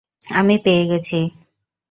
আমি পেয়ে গেছি।